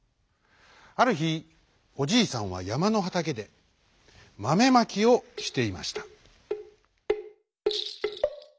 あるひおじいさんはやまのはたけでマメまきをしていました。